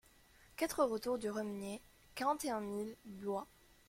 quatre retour du Remenier, quarante et un mille Blois